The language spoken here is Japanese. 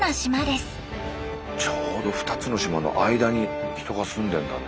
ちょうど２つの島の間に人が住んでんだね。